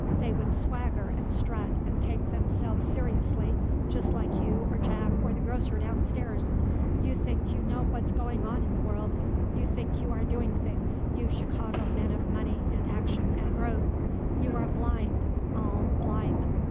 They would swagger and strut and take themselves seriously just like you or Jack or the grocer down stairs. You think you know what's going on in the world. You think you are doing things, you Chicago men of money and action and growth. You are blind, all blind."